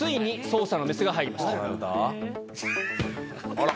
あら！